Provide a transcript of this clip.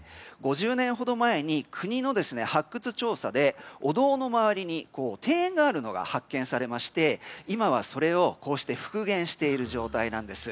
５０年ほど前に国の発掘調査でお堂の周りに庭園があるのが発見されまして今はそれをこうして復元している状態なんです。